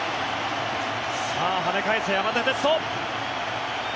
さあ、跳ね返せ山田哲人。